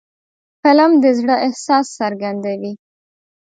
فلم د زړه احساس څرګندوي